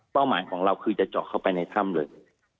หมายของเราคือจะเจาะเข้าไปในถ้ำเลย